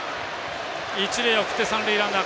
一塁送って、三塁ランナー